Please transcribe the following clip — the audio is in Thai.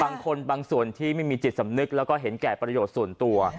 บางคนบางส่วนที่ไม่มีจิตสำนึกแล้วก็เห็นแก่ประโยชน์ส่วนตัว